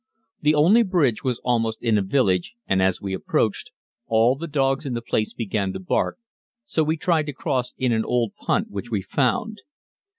The only bridge was almost in a village, and as we approached, all the dogs in the place began to bark, so we tried to cross in an old punt which we found.